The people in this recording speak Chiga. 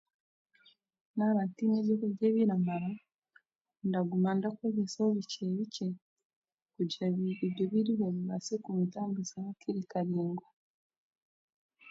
Naaba ntiine by'okurya ebiramara, ndaguma ndakozesaho bukye bukye kugira ngu ebyo ebiriho bibase kuntambuzaho akiire karingwa.